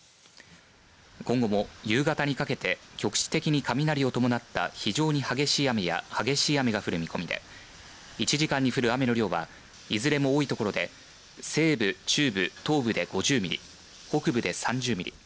今後も夕方にかけて局地的に雷を伴った非常に激しい雨や激しい雨が降る見込みで１時間に降る雨の量はいずれも多いところで西部、中部、東部で５０ミリ北部で３０ミリ。